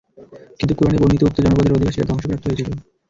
কিন্তু কুরআনে বর্ণিত উক্ত জনপদের অধিবাসীরা ধ্বংসপ্রাপ্ত হয়েছিল।